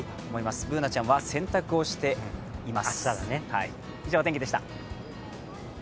Ｂｏｏｎａちゃんは洗濯をしています。